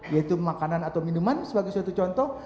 yaitu makanan atau minuman sebagai suatu contoh